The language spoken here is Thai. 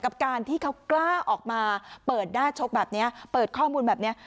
กับการที่เขากล้าออกมาเปิดหน้าชกแบบนี้เปิดข้อมูลแบบนี้